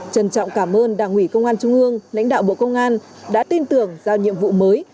trân trọng cảm ơn đảng ủy công an trung ương lãnh đạo bộ công an đã tin tưởng giao nhiệm vụ mới